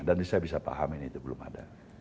dan saya bisa paham ini itu belum ada